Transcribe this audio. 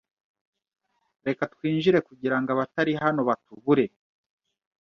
Reka twinjire kugirango abatari hano batubure